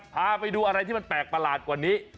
พาไปดูอะไรที่มันแปลกประหลาดกว่านี้